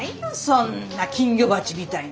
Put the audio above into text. そんな金魚鉢みたいな。